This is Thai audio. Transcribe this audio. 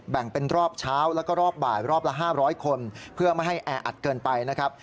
แบ่งเป็นรอบเช้าแล้วก็รอบบ่ายรอบละ๕๐๐คนเพื่อไม่ให้แออัดเกินไปนะครับ